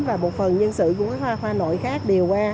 và một phần nhân sự của hoa khoa nội khác đều qua